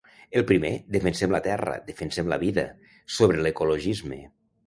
El primer, “Defensem la terra, defensem la vida”, sobre ecologisme.